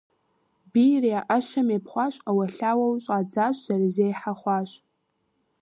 Бийр я Ӏэщэм епхъуащ Ӏэуэлъауэу щӀадзащ зэрызехьэ хъуащ.